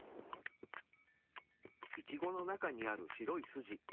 イチゴの中にある白い筋。